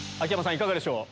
いかがでしょう？